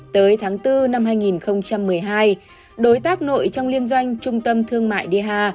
tới tháng bốn năm hai nghìn một mươi hai đối tác nội trong liên doanh trung tâm thương mại deha